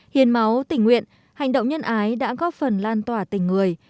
hiến máu tình nguyện hành động nhân ái đã góp phần lan tỏa tình người